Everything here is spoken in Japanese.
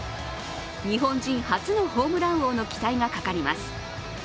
日本人初のホームラン王の期待がかかります。